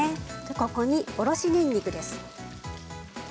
ここにおろしにんにくです。